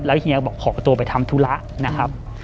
เฮียบอกขอตัวไปทำธุระนะครับ